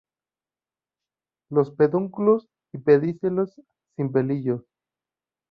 Los pedúnculos y pedicelos sin pelillos.